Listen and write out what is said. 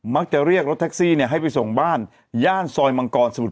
มักจะเรียกรถแท็กซี่ให้ไปส่งบ้านย่านซอยมังกรสมุทร